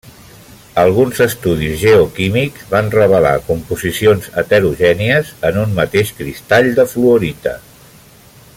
Alguns estudis geoquímics van revelar composicions heterogènies en un mateix cristall de fluorita.